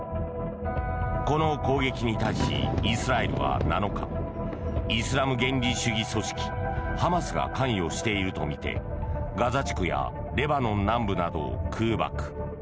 この攻撃に対しイスラエルは７日イスラム原理主義組織ハマスが関与しているとみてガザ地区やレバノン南部などを空爆。